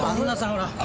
ほら。